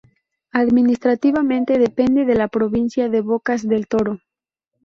Administrativamente depende de la Provincia de Bocas del Toro.